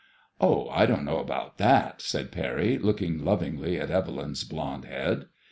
" Oh, I don't know about that," said Pany, looking lovingly at Evelyn's blonde head.